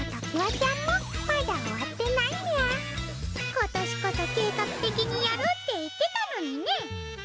今年こそ計画的にやるって言ってたのにね。